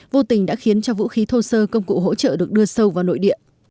vô tình đã khiến cho vũ khí thô sơ công cụ hỗ trợ được đưa sâu vào nội địa